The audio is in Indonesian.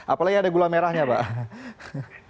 apalagi ada gula merahnya pak